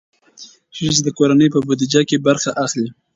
ښځې د کورنۍ په بودیجه کې برخه اخلي.